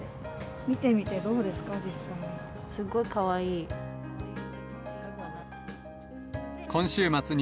見てみてどうですか、実際に。